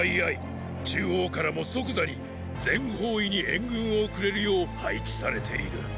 中央からも即座に全方位に援軍を送れるよう配置されている。